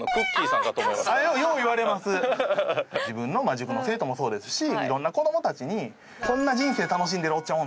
自分の生徒もそうですしいろんな子どもたちにこんな人生楽しんでるおっちゃん